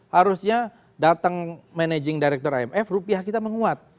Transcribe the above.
harusnya datang managing director imf rupiah kita menguat